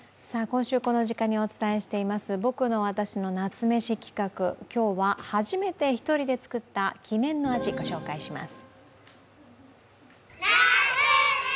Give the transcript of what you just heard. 今週この時間にお伝えしています「ぼくのわたしの夏メシ」企画、今日は初めて１人で作った記念の味ご紹介します。